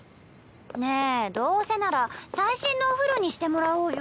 ねえどうせなら最新のお風呂にしてもらおうよ。